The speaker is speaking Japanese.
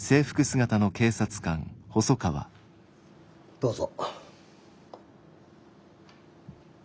どうぞ。